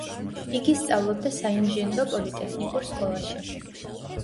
იგი სწავლობდა საინჟინრო პოლიტექნიკურ სკოლაში.